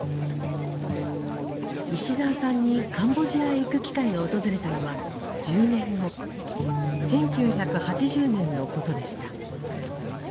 石澤さんにカンボジアへ行く機会が訪れたのは１０年後１９８０年のことでした。